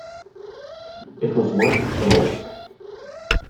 It was worth the risk.